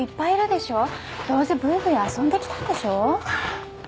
どうせぶいぶい遊んできたんでしょう？